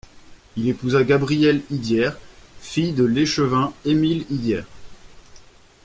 Il épousa Gabrielle Idiers, fille de l’échevin Émile Idiers.